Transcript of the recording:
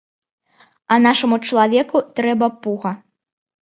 А нашаму чалавеку трэба пуга.